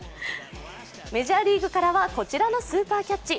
メジャーリーグからはこちらのスーパーキャッチ。